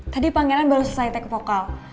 tadi pangeran baru selesai take vokal